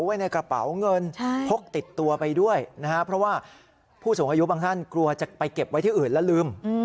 ไว้ในกระเป๋าเงินพกติดตัวไปด้วยนะฮะเพราะว่าผู้สูงอายุบางท่านกลัวจะไปเก็บไว้ที่อื่นแล้วลืม